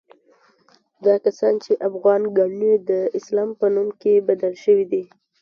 دا کسان چې افغان ګڼي، د اسلام پر نوم کې بدل شوي دي.